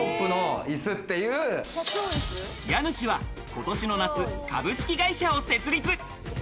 家主は、今年の夏、株式会社を設立。